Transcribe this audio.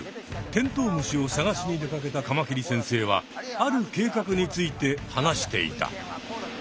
テントウムシを探しに出かけたカマキリ先生はある計画について話していた。